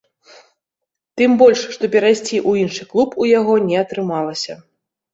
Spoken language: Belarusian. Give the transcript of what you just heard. Тым больш, што перайсці ў іншы клуб у яго не атрымалася.